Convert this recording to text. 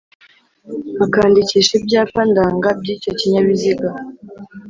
akandikisha ibyapa ndanga byi'icyo kinyabiziga